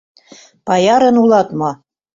Паярын улат мо?